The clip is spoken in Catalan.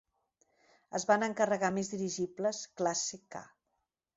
Es van encarregar més dirigibles classe K.